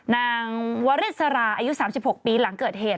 นางวริสราอายุ๓๖ปีหลังเกิดเหตุ